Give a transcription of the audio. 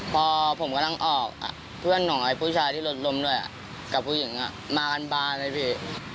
พอผมกำลังออกเพื่อนน้อยผู้ชายที่รถล้มด้วยกับผู้หญิงมากันบานเลยพี่